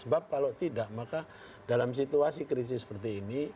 sebab kalau tidak maka dalam situasi krisis seperti ini